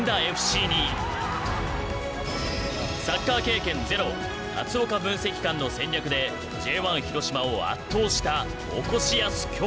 サッカー経験ゼロ龍岡分析官の戦略でＪ１広島を圧倒したおこしやす京都。